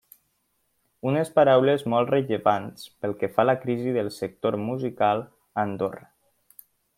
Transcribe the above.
Unes paraules molt rellevants pel que fa a la crisi del sector musical a Andorra.